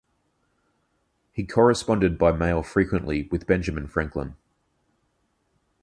He corresponded by mail frequently with Benjamin Franklin.